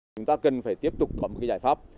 chúng ta cần phải tiếp tục có một giải pháp